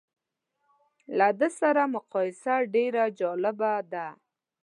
له ده سره مقایسه ډېره جالبه ده.